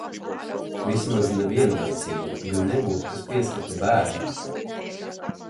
Vismaz, ne vienlaicīgi, jo nebūtu, kas pieskata bērnu.